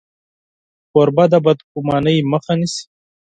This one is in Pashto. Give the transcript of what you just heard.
کوربه د بدګمانۍ مخه نیسي.